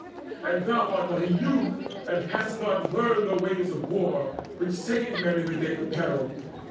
And thou art but a youth, and hast not learnt The ways of war, which save men in the day Of peril.